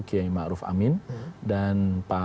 kiai ma'ruf amin dan pak